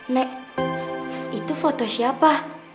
nek itu foto siapa